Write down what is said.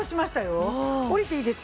降りていいですか？